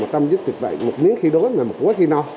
mà trong dịch bệnh một miếng khi đối mà một cuối khi no